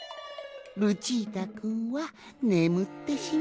ルチータくんはねむってしまったわい。